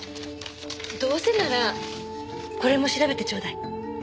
どうせならこれも調べてちょうだい。